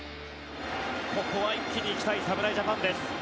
ここは一気に行きたい侍ジャパンです。